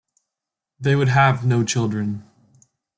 They would have no children.